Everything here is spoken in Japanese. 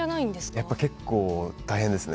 やっぱり結構大変ですね。